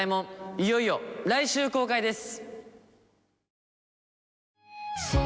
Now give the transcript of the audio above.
いよいよ来週公開です。